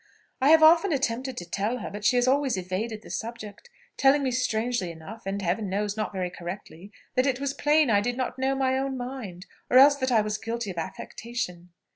"I have often attempted to tell her; but she has always evaded the subject, telling me strangely enough, and Heaven knows not very correctly, that it was plain I did not know my own mind, or else that I was guilty of affectation."